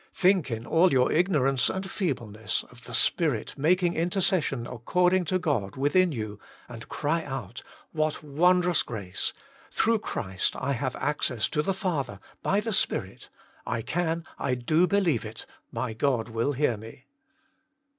Think in all your ignorance and feebleness, of the Spirit making intercession according to God within you, and cry out, " What wondrous grace ! Through Christ I have access to the Father, by the Spirit. I can, I do believe it : My God will hear me.